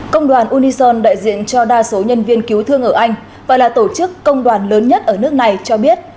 công đoàn unison đại diện cho đa số nhân viên cứu thương ở anh và là tổ chức công đoàn lớn nhất ở nước này cho biết